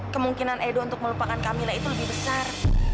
kemungkinan edo untuk melupakan camilla itu lebih besar